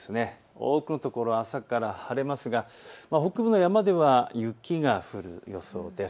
多くの所、朝から晴れますが北部の山では雪が降る予想です。